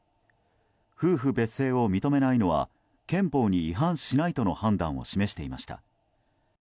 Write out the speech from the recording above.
夫婦別姓を認めないのは憲法に違反しないとの判断を示していました。